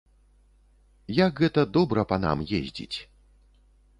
Як гэта добра панам ездзіць.